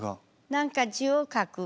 何か字を書く。